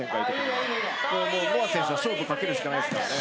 乃亜選手は勝負かけるしかないですからね。